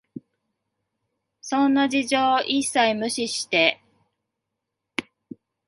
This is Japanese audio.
そんな事情を一切無視して、